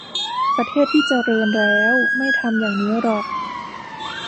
ประเทศที่เจริญแล้วไม่ทำอย่างนี้หรอก